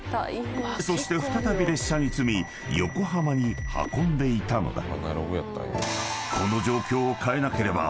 ［そして再び列車に積み横浜に運んでいたのだ］